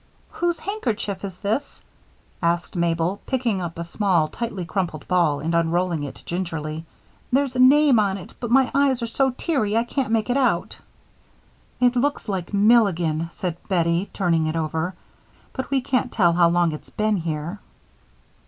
"Whose handkerchief is this?" asked Mabel, picking up a small tightly crumpled ball and unrolling it gingerly. "There's a name on it but my eyes are so teary I can't make it out." "It looks like Milligan," said Bettie, turning it over, "but we can't tell how long it's been here."